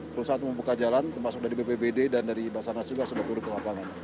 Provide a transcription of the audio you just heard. perusahaan membuka jalan termasuk dari bpbd dan dari basarnas juga sudah turun ke lapangan